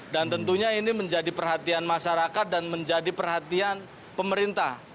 dan tentunya ini menjadi perhatian masyarakat dan menjadi perhatian pemerintah